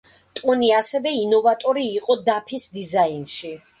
ტონი ასევე ინოვატორი იყო დაფის დიზაინში.